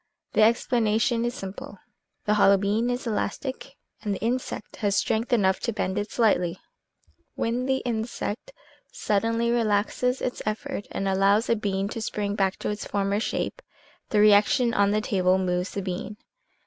The explanation is simple. The hollow bean is elastic and the insect has strength enough to bend it slightly ; when the insect suddenly relaxes its effort and allows the bean to spring back to its former shape, the reaction on the table moves the bean.